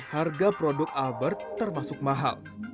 harga produk albert termasuk mahal